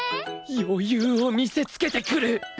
余裕を見せつけてくる！